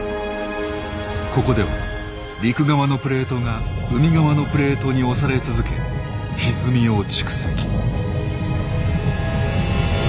ここでは陸側のプレートが海側のプレートに押され続けひずみを蓄積。